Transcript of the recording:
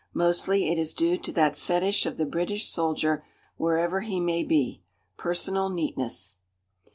Mostly it is due to that fetish of the British soldier wherever he may be personal neatness.